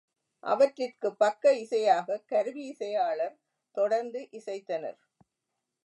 அவற்றிற்குப் பக்க இசையாகக் கருவி இசையாளர் தொடர்ந்து இசைத்தனர்.